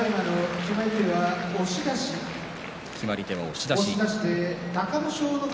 決まり手は押し出し。